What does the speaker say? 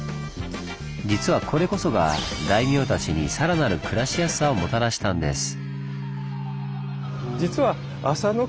実はこれこそが大名たちにさらなる暮らしやすさをもたらしたんです！